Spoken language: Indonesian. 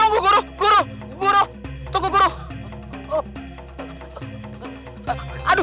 guru guru tunggu guru guru